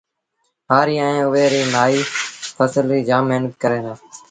هآريٚ ائيٚݩ اُئي ريٚ مآئيٚ ڦسل ريٚ جآم مهنت ڪريݩ دآ